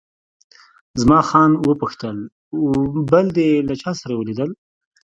خان زمان وپوښتل، بل دې له چا سره ولیدل؟